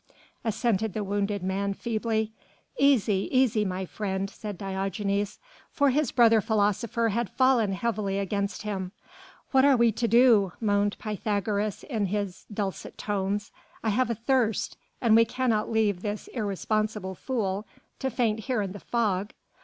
assented the wounded man feebly. "Easy! easy, my friend," said Diogenes, for his brother philosopher had fallen heavily against him. "What are we to do?" moaned Pythagoras, in his dulcet tones. "I have a thirst ... and we cannot leave this irresponsible fool to faint here in the fog."